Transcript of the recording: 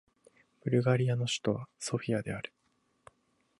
ブルガリアの首都はソフィアである